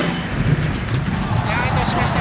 スタートしました。